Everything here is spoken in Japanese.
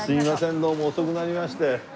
どうも遅くなりまして。